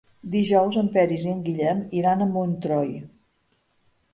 Dijous en Peris i en Guillem iran a Montroi.